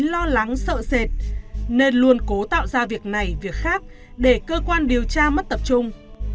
lo lắng sợ sệt nên luôn cố tạo ra việc này việc khác để cơ quan điều tra mất tập trung